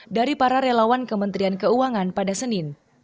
dari para relawan kementerian keuangan pada senin